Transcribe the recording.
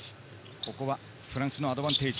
ここはフランスのアドバンテージ。